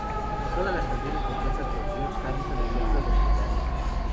Todas las canciones compuestas por George Harrison excepto donde se anota.